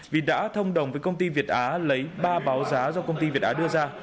vì đã thông đồng với công ty việt á lấy ba báo giá do công ty việt á đưa ra